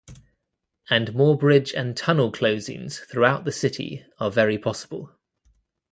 And more bridge and tunnel closings throughout the city are very possible.